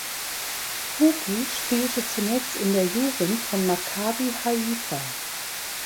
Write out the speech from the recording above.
Hugi spielte zunächst in der Jugend von Maccabi Haifa.